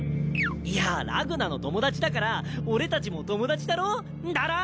いやラグナの友達だから俺たちも友達だろ？んだら。